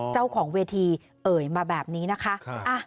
เจ้าของเวทีเอ่ยมาแบบนี้นะคะ